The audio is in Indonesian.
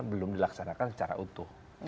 belum dilaksanakan secara utuh